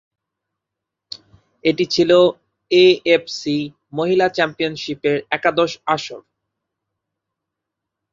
এটি ছিল এএফসি মহিলা চ্যাম্পিয়নশিপের একাদশ আসর।